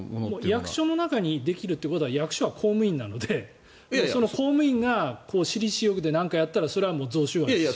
役所の中にできるということは役所は公務員なのでその公務員が私利私欲で何かをやったらそれは贈収賄です。